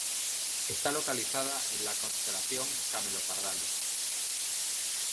Está localizada en la constelación Camelopardalis.